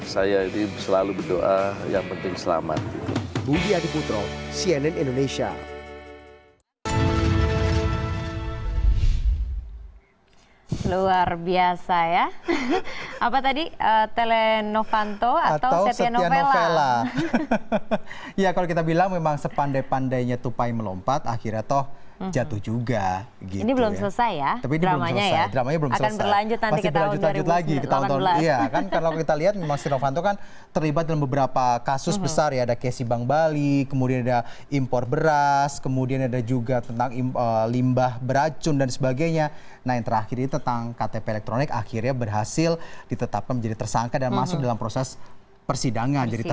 satu saja saya ini selalu berdoa yang penting selamat